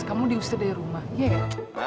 kamu diustir dari rumah iya nggak